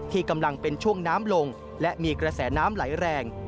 ที่กำลังเป็นช่วงน้ำลงและมีกระแสน้ำไหลแรง